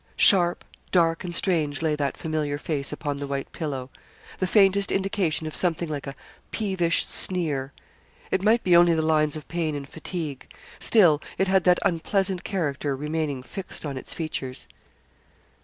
Sharp, dark, and strange lay that familiar face upon the white pillow. The faintest indication of something like a peevish sneer; it might be only the lines of pain and fatigue; still it had that unpleasant character remaining fixed on its features.